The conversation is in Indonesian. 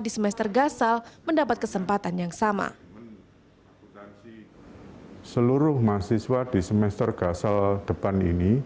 di semester gasal mendapat kesempatan yang sama seluruh mahasiswa di semester gasal depan ini